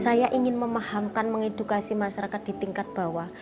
saya ingin memahangkan mengedukasi masyarakat di tingkat bawah